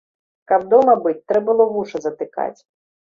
Каб дома быць, трэ было вушы затыкаць.